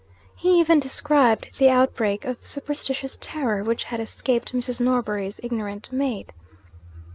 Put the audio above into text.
He even described the outbreak of superstitious terror which had escaped Mrs. Norbury's ignorant maid.